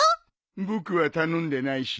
僕は頼んでないし。